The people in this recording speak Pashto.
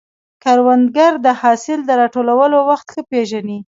کروندګر د حاصل د راټولولو وخت ښه پېژني